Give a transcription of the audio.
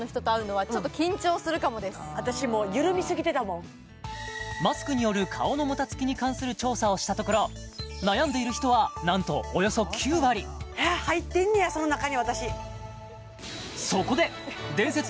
私もうマスクによる顔のもたつきに関する調査をしたところ悩んでいる人はなんとおよそ９割入ってんねやその中に私